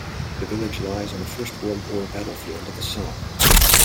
The village lies on the First World War battlefield of the Somme.